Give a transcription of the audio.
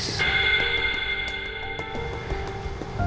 apa perempuan ini anggota keluarga felix